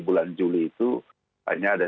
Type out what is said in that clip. bulan juli itu hanya ada